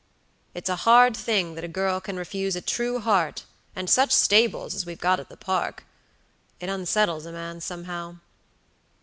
It's a hard thing that a girl can refuse a true heart and such stables as we've got at the park. It unsettles a man somehow."